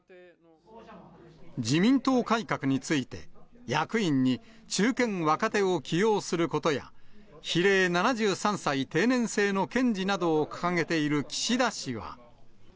自民党改革について、役員に中堅・若手を起用することや、比例７３歳定年制の堅持などを掲げている岸田氏は。